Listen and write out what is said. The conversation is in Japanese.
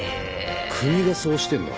国がそうしてんだ。